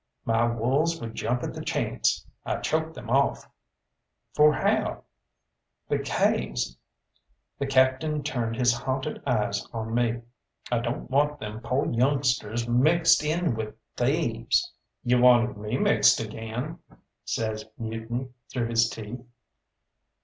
"My wolves would jump at the chance; I choked them off." "For how?" "Bekase" the Captain turned his haunted eyes on me "I don't want them po' youngsters mixed in with thieves." "You wanted me mixed again," says Mutiny through his teeth.